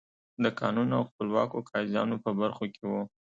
د قانون او خپلواکو قاضیانو په برخو کې وو.